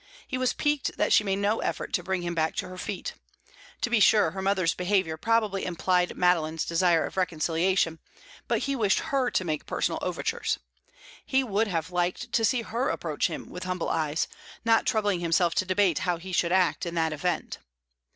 He was piqued that she made no effort to bring him back to her feet. To be sure, her mother's behaviour probably implied Madeline's desire of reconciliation, but he wished her to make personal overtures; he would have liked to see her approach him with humble eyes, not troubling himself to debate how he should act in that event.